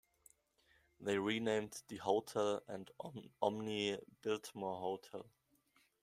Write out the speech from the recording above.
They renamed the hotel the Omni Biltmore Hotel.